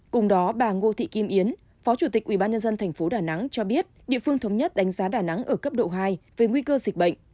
trong đó tại đà nẵng ông lê trung trinh chủ tịch ubnd tp đà nẵng cho biết địa phương thống nhất đánh giá đà nẵng ở cấp độ hai về nguy cơ dịch bệnh